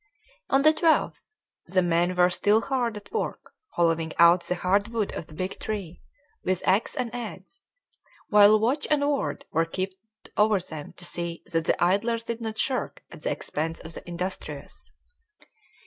On the 12th the men were still hard at work hollowing out the hard wood of the big tree, with axe and adze, while watch and ward were kept over them to see that the idlers did not shirk at the expense of the industrious.